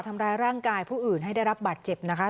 ทำร้ายร่างกายผู้อื่นให้ได้รับบาดเจ็บนะคะ